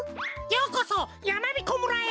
ようこそやまびこ村へ。